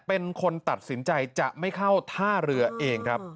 เป็นคนตัดสินใจจะไม่เข้าท่าเรือเองครับ